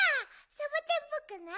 サボテンっぽくない？